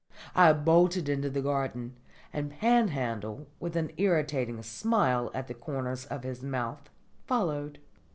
I bolted into the garden, and Panhandle, with an irritating smile at the corners of his mouth, followed.